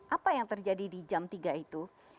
apa yang terjadi di jam tiga itu